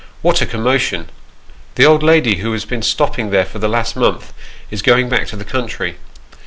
What a commotion ! The old lady, who has been stopping there for the last month, is going back to the country.